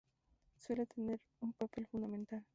Suelen tener un papel fundamental.